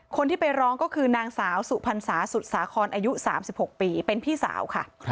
คนที่ไปร้องก็คือนางสาวสุพรรษาสุดสาครอายุ๓๖ปีเป็นพี่สาวค่ะ